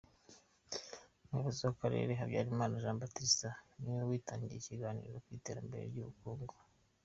Umuyobozi w’akarere Habyarimana Jean Baptiste ni we witangiye ikiganiro ku Iterambere ry’ubukungu.